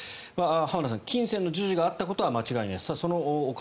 浜田さん金銭の授受があったことは間違いない